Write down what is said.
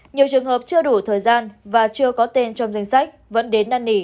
nhiều trường hợp chưa đủ thời gian và chưa có tên trong danh sách vẫn đến ăn nỉ